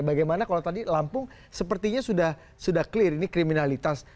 bagaimana kalau tadi lampung sepertinya sudah clear ini kriminalitas